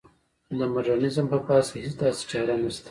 د مډرنیزم په بحث کې هېڅ داسې چاره نشته.